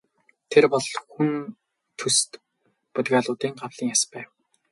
Тэр бол хүн төст бодгалиудын гавлын яс байв.